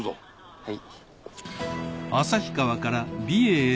はい。